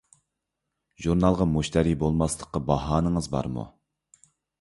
ژۇرناللارغا مۇشتەرى بولماسلىققا باھانىڭىز بارمۇ؟